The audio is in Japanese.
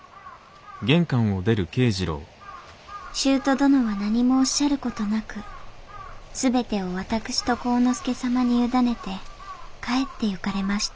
舅殿は何もおっしゃる事なくすべてを私と晃之助様に委ねて帰っていかれました